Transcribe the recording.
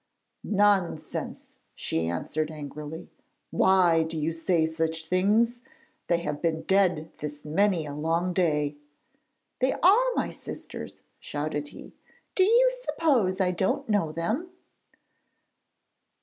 'Nonsense!' she answered angrily. 'Why do you say such things? They have been dead this many a long day.' 'They are my sisters,' shouted he. 'Do you suppose I don't know them?'